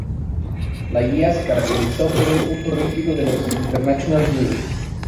La guía se caracterizó por un uso rígido de los "International Rule".